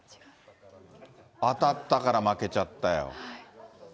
当たったから負けちゃったよ。